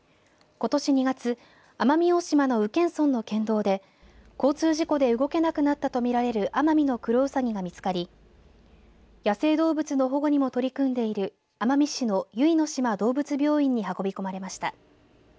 ことし２月奄美大島の宇検村の県道で交通事故で動けなくなったとみられるアマミノクロウサギが見つかり野生動物の保護にも取り組んでいる奄美市のゆいの島どうぶつ病院に運び込まれました。